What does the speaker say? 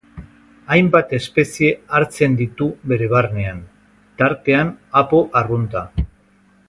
Hainbat espezie hartzen ditu bere barnean, tartean apo arrunta.